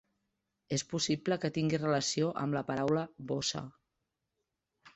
És possible que tingui relació amb la paraula "bossa".